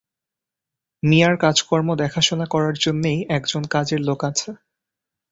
মিয়ার কাজকর্ম দেখাশোনা করার জন্যেই একজন কাজের লোক আছে।